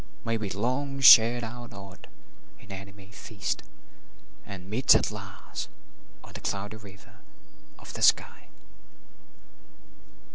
May we long share our odd, inanimate feast, And meet at last on the Cloudy River of the sky.